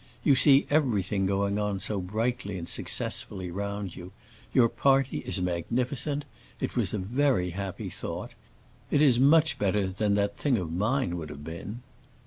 You see everything going on so brightly and successfully round you. Your party is magnificent; it was a very happy thought. It is much better than that thing of mine would have been."